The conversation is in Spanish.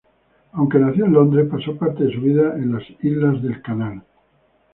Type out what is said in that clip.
Aunque nació en Londres, pasó parte de su vida en las Islas del Canal.